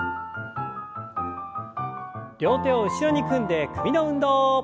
両手を後ろに組んで首の運動。